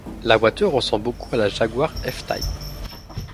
La voiture ressemble beaucoup à la Jaguar F-Type.